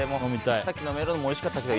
さっきのメロンもおいしかったけど。